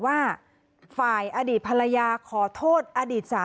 ไม่รู้จริงว่าเกิดอะไรขึ้น